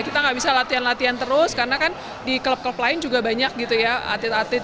kita nggak bisa latihan latihan terus karena kan di klub klub lain juga banyak gitu ya atlet atlet